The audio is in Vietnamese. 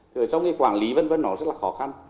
rồi sau khi quản lý vân vân nó rất là khó khăn